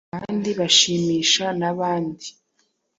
kandi bashimisha n’abandi.